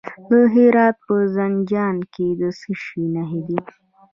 د هرات په زنده جان کې د څه شي نښې دي؟